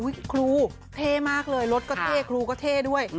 ครูเท่มากเลยรถก็เท่ครูก็เท่ด้วย